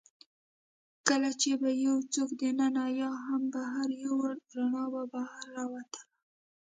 کله چي به يې یوڅوک دننه یا هم بهر یووړ، رڼا به بهر راوتل.